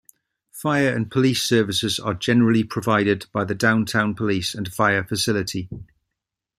Fire and Police Services are generally provided by the downtown police and fire facility.